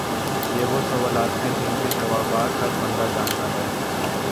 یہ وہ سوالات ہیں جن کے جوابات ہر بندہ جانتا ہے